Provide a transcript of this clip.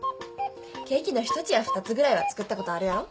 ケーキの１つや２つぐらいは作ったことあるやろ？